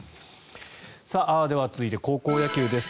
では続いて高校野球です。